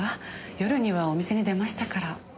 夜にはお店に出ましたから。